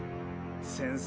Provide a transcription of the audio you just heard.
先生